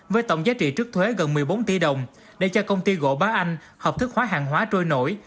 với tổng giá trị trước thuế gần một mươi bốn tỷ đồng để cho công ty gỗ bá anh hợp thức hóa hàng hóa trôi nổi